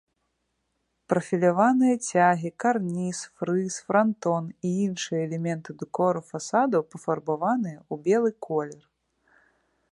Прафіляваныя цягі, карніз, фрыз, франтон і іншыя элементы дэкору фасадаў пафарбаваныя ў белы колер.